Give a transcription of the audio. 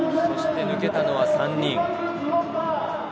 そして抜けたのは３人。